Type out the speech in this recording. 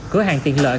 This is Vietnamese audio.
cửa hàng tiện lợi